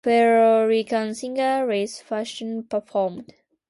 Puerto Rican singer Luis Fonsi performed.